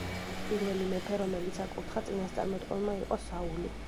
პირველი მეფე, რომელიც აკურთხა წინასწარმეტყველმა, იყო საული.